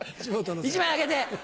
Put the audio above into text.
１枚あげて。